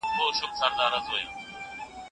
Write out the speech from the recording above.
څوک د کانونو د استخراج چاري کنټرول او څاري؟